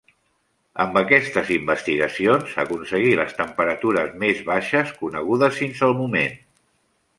Amb aquestes investigacions aconseguí les temperatures més baixes conegudes fins al moment.